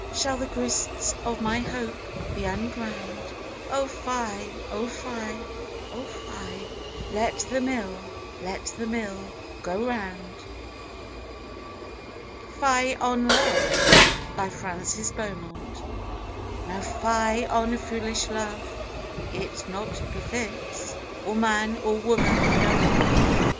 Shall the grists of my hope be unground? Oh fie, oh fie, oh fie, Let the mill, let the mill go round. Francis Beaumont. FIE ON LOVE. Now fie on foolish love, it not befits Or man or woman know it.